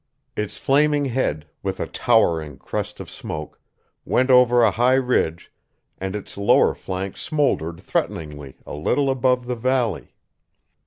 Its flaming head, with a towering crest of smoke, went over a high ridge, and its lower flank smoldered threateningly a little above the valley.